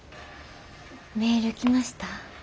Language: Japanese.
メール来ました？